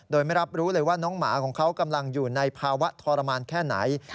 โดยไม่รับรู้เลยว่าน้องหมาของเขากำลังอยู่ในภาวะทรมานแค่ไหน